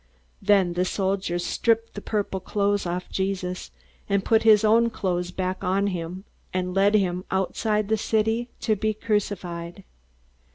Then the soldiers stripped the purple clothes off Jesus, and put his own clothes back on him, and led him outside the city to be crucified.